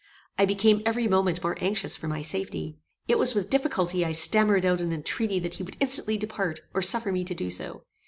I became every moment more anxious for my safety. It was with difficulty I stammered out an entreaty that he would instantly depart, or suffer me to do so.